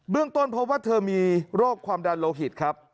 เรื่องต้นพบว่าเธอมีโรคความดันโลหิตครับ